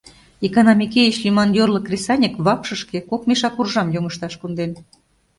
Икана Микеич лӱман йорло кресаньык вакшышке кок мешак уржам йоҥышташ конден.